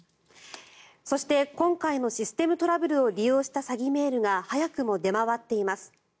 そして今回のシステムトラブルを利用した詐欺メールが早くも出回っています。